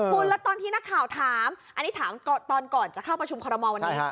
คุณแล้วตอนที่นักข่าวถามอันนี้ถามตอนก่อนจะเข้าประชุมคอรมอลวันนี้